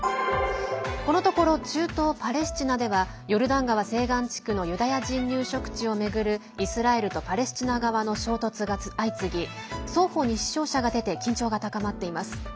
このところ、中東パレスチナではヨルダン川西岸地区のユダヤ人入植地を巡るイスラエルとパレスチナ側の衝突が相次ぎ双方に死傷者が出て緊張が高まっています。